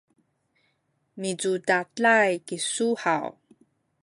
micudaday kisu haw?